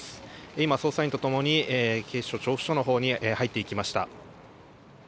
今、捜査員とともに警視庁調布署のほうに入っていきました。